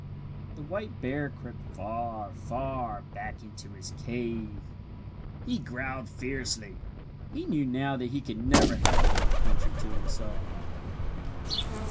The white bear crept far, far back into his cave. He growled fiercely. He knew now that he could never have the north country to himself.